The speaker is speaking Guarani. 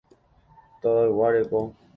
Tavaygua reko.